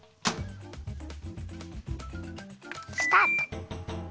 スタート！